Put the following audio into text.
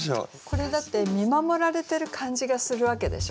これだって見守られてる感じがするわけでしょ。